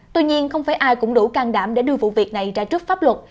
tuy nhiên không phải ai cũng đủ can đảm để đưa vụ việc này ra trước pháp luật